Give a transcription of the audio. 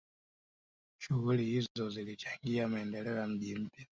shughuli hizo zilichangia maendeleo ya mji mpya